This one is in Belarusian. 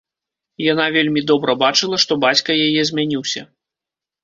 Яна вельмі добра бачыла, што бацька яе змяніўся.